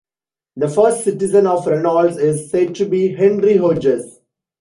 The first citizen of Reynolds is said to be Henry Hodges.